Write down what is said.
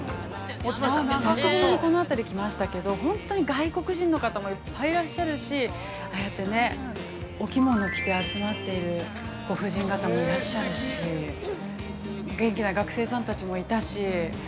久しぶりにこの辺り来ましたけど本当に、外国人の方もいっぱいいらっしゃるしああやってお着物着て集まってるご婦人方もいらっしゃるし元気な学生さんたちもいたし。